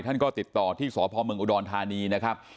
ท่านก็ติดต่อที่สพเมืองอุดรธานีนะครับ